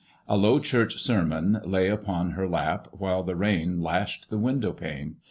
A Low Church sermon lay upon her lap, while the rain lashed the window pane.